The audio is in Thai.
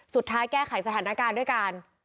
สุดท้ายแก้ไขสถานการณ์ด้วยกัน